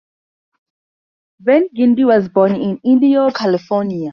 Van Gundy was born in Indio, California.